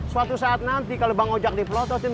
suatu saat nanti kalau bang ojak diprototin